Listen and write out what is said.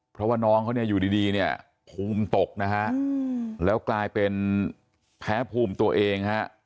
เพราะว่าน้องเขาอยู่ดีภูมิตกแล้วกลายเป็นแพ้ภูมิตัวเอง